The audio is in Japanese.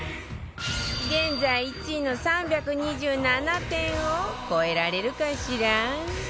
現在１位の３２７点を超えられるかしら？